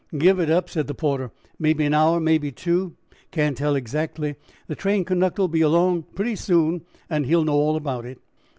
"Give it up," said the porter. "Maybe an hour, maybe two; can't tell exactly. The train conductor will be along pretty soon and he will know all about it."